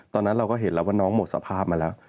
ตอนนั้นเราก็เห็นแล้วว่าน้องหมดสภาพมาแล้ว